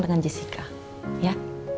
dengan jessica ya